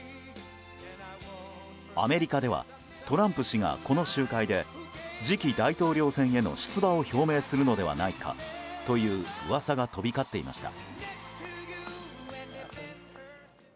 アメリカではトランプ氏がこの集会で次期大統領選への出馬を表明するのではないかという噂が飛び交っていました。